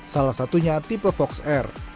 salah satunya tipe fox air